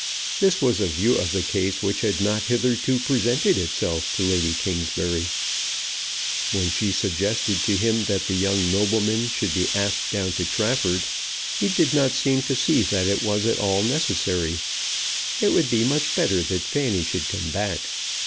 This was a view of the case which had not hitherto presented itself to Lady Kingsbury. When she suggested to him that the young nobleman should be asked down to Trafford, he did not seem to see that it was at all necessary. It would be much better that Fanny should come back.